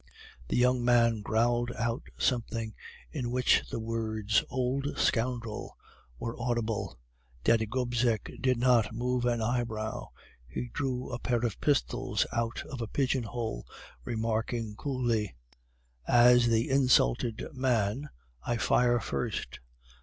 "The young man growled out something, in which the words 'Old scoundrel!' were audible. Daddy Gobseck did not move an eyebrow. He drew a pair of pistols out of a pigeon hole, remarking coolly: "'As the insulted man, I fire first.